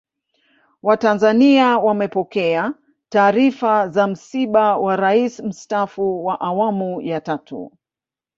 Watanzania wamepokea taarifa za msiba wa Rais Mstaafu wa Awamu ya Tatu